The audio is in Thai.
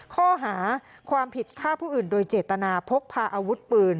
ข้อหาความผิดฆ่าผู้อื่นโดยเจตนาพกพาอาวุธปืน